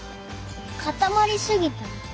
かたまりすぎた。